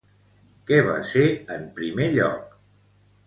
Què va ser en primer lloc?